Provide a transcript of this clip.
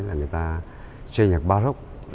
là người ta chơi nhạc baroque